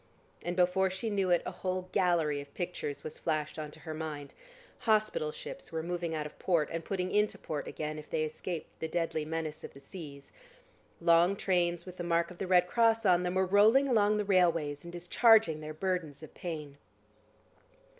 And before she knew it, a whole gallery of pictures was flashed on to her mind. Hospital ships were moving out of port, and putting into port again, if they escaped the deadly menace of the seas; long trains with the mark of the Red Cross on them were rolling along the railways, and discharging their burdens of pain.